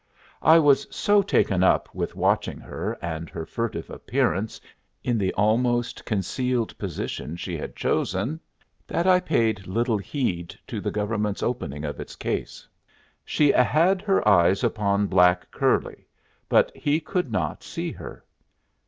I was so taken up with watching her and her furtive appearance in the almost concealed position she had chosen that I paid little heed to the government's opening of its case. She had her eyes upon black curly, but he could not see her.